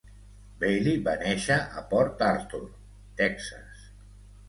Bailey va néixer a Port Arthur, Texas.